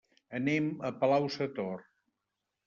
Anem a Palau-sator.